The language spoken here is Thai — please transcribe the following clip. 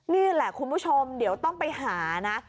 นี่แหละคุณผู้ชมเดี๋ยวต้องไปหานะ